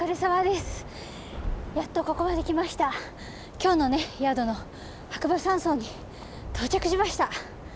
今日のね宿の白馬山荘に到着しました。